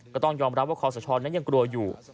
ก็ต้องยอมรับว่าคอสชนั้นยังกลัวอยู่